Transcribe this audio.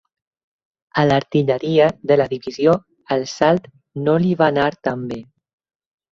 A l'artilleria de la divisió el salt no li va anar tan bé.